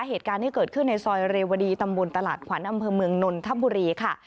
เหตุการณ์ที่เกิดขึ้นในซอยเรวดีตำบลตลาดขวัญอำเภอเมืองนนทบุรีค่ะ